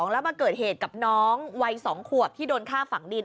แล้วมาเกิดเหตุกับน้องวัย๒ขวบที่โดนฆ่าฝังดิน